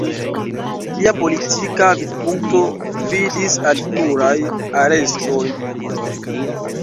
Lia politika vidpunkto gvidis al pluraj arestoj.